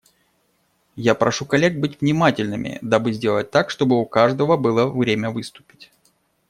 Я прошу коллег быть внимательными, дабы сделать так, чтобы у каждого было время выступить.